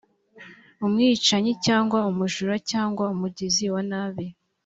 umwicanyi cyangwa umujura cyangwa umugizi wa nabi